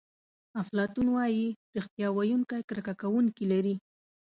افلاطون وایي ریښتیا ویونکی کرکه کوونکي لري.